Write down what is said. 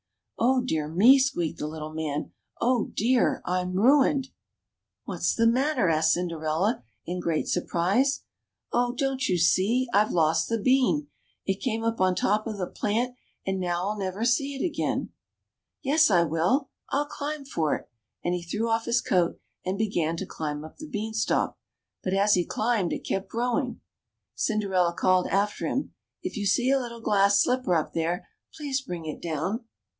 ^^Oh, dear me!" squeaked the little man; Oh, dear! I'm ruined !" What's the matter?" asked Cinderella, in great sur prise. Oh ! don't you see ? I've lost the bean ! It came up on top of the plant, and now I'll never see it again. 28 THE CHILDREN'S WONDER BOOK. Yes, I will ! I'll climb for it !'' and he threw off his coat and began to climb up the beanstalk. But as he climbed it kept growing. Cinderella called after him, " If you see a little glass slipper up there, please bring it down."